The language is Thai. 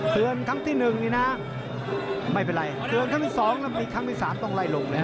เตือนครั้งที่๑นี่นะไม่เป็นไร